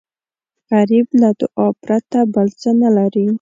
غریب له دعا پرته بل څه نه لري